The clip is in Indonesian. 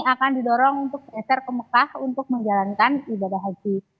akan didorong untuk geser ke mekah untuk menjalankan ibadah haji